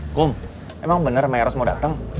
akum emang benar maeros mau datang